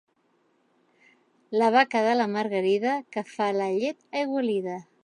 La vaca de la Margarida, que fa la llet aigualida.